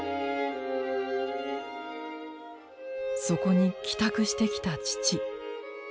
そこに帰宅してきた父。